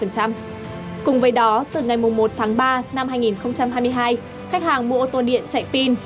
cùng với đó từ ngày một tháng ba năm hai nghìn hai mươi hai khách hàng mua ô tô điện chạy pin